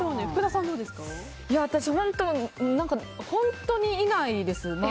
私、本当にいないですね。